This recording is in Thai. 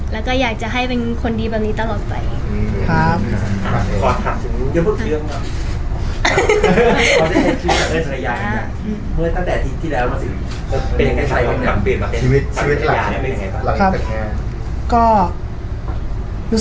แล้วก็อยากจะให้เป็นคนดีแบบนี้ตลอดไป